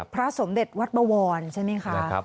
พระสมเด็จวัดบวรใช่ไหมคะ